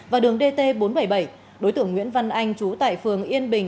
và đường dt bốn trăm bảy mươi bảy đối tượng nguyễn văn anh chú tại phường yên bình